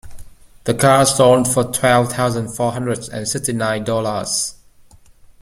The car sold for twelve thousand four hundred and sixty nine dollars.